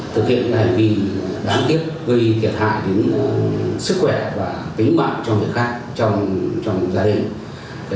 thực hiện hành vi đáng tiếc gây thiệt hại đến sức khỏe và tính mạng cho người khác trong gia đình